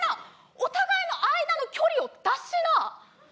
お互いの間の距離を出しな！